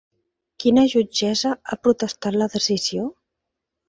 Quina jutgessa ha protestat la decisió?